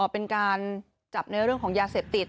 เป็นการจับในเรื่องของยาเสพติด